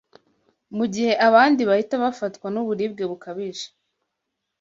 mu gihe abandi bahita bafatwa n’uburibwe bukabije